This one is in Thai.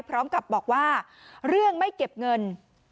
พร้อมกับบอกว่าเรื่องไม่เก็บเงิน